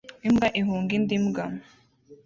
Imbwa ihunga indi mbwa